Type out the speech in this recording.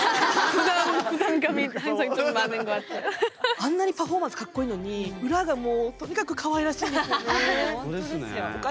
あんなにパフォーマンスかっこいいのに裏がもうとにかくかわいらしいんですよね。